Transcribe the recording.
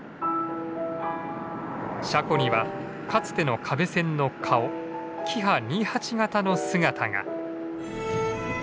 車庫にはかつての可部線の顔キハ２８形の姿が。